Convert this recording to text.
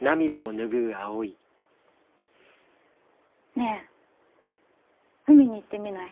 ねえ海に行ってみない？